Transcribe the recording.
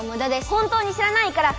本当に知らないから！